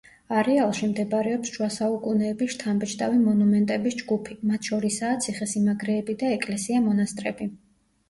არეალში მდებარეობს შუა საუკუნეების შთამბეჭდავი მონუმენტების ჯგუფი, მათ შორისაა ციხესიმაგრეები და ეკლესია-მონასტრები.